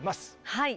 はい。